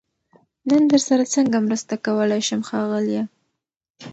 نن درسره سنګه مرسته کولای شم ښاغليه🤗